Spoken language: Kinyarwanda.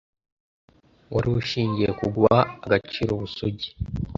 wari ushingiye ku guha agaciro ubusugi